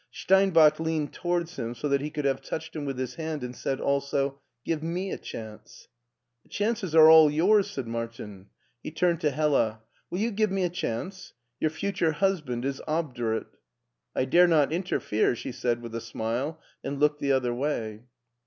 Steinbach leaned towards him so that he could have touched him with his hand and said also :" Give me a chance." "The chances are all yours," said Martin. He turned to Hella. " Will you give me a chance? Your future husband is obdurate." " I dare not interfere," she said with a smile, and looked the oAer way.